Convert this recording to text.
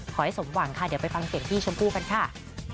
ขอให้สมหวังค่ะเดี๋ยวไปฟังเสียงพี่ชมพู่กันค่ะ